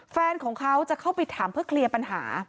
แฟนของเขาจะเข้าไปถามเพื่อเคลียร์ปัญหา